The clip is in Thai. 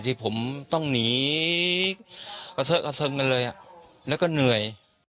ที่ผมต้องหนีกระเทอะกระเซิงกันเลยแล้วก็เหนื่อย